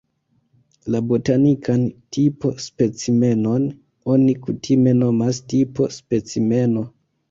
La botanikan tipo-specimenon oni kutime nomas "tipo-specimeno".